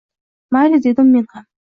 Mayli, – dedim men ham.